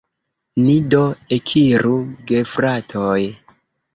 Ni do ekiru, gefratoj!